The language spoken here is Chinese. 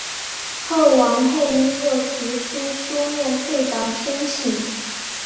后王佩英又提出书面退党申请。